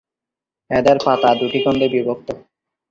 এদের পাতা দুটি খণ্ডে বিভক্ত।